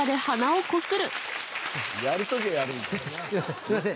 すみません。